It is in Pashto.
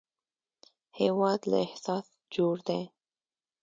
هېواد له احساس جوړ دی